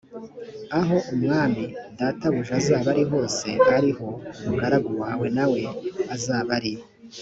aho umwami databuja azaba ari hose ari ho umugaragu wawe na we azaba ari